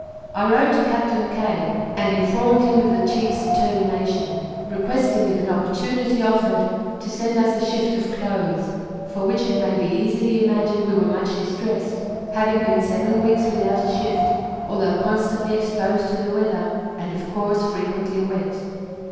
I wrote to Captain Kay, and informed him of the chief's determination, requesting if an opportunity offered, to send us a shift of clothes, for which it may be easily imagined we were much distressed, having been seven weeks without a shift; although constantly exposed to the weather, and of course frequently wet.